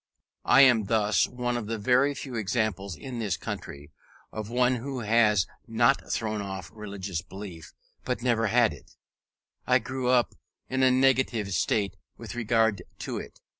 I am thus one of the very few examples, in this country, of one who has not thrown off religious belief, but never had it: I grew up in a negative state with regard to it.